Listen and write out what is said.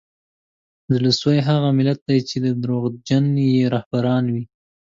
د زړه سوي هغه ملت دی چي دروغجن یې رهبران وي